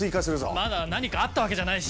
まだ何かあったわけじゃないし。